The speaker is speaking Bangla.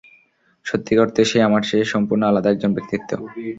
সত্যিকার অর্থে, সে আমার চেয়ে সম্পূর্ণ আলাদা একজন ব্যক্তিত্ব।